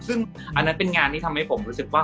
ซึ่งอันนั้นเป็นงานที่ทำให้ผมรู้สึกว่า